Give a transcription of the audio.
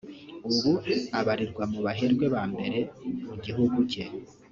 ubu abarirwa mu baherwe ba mbere mu gihugu cye